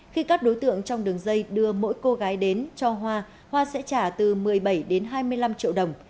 khi các đối tượng trong đường dây đưa mỗi cô gái đến cho hoa hoa sẽ trả từ một mươi bảy đến hai mươi năm triệu đồng